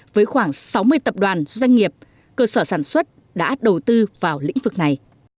với khoảng sáu mươi tập đoàn doanh nghiệp cơ sở sản xuất đã đầu tư vào lĩnh vực này